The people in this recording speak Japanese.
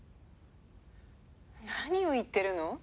何を言ってるの？